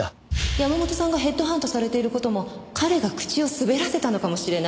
山本さんがヘッドハントされている事も彼が口を滑らせたのかもしれない。